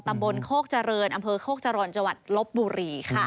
ตำบลโคกเจริญอำเภอโคกเจริญจลบบุรีค่ะ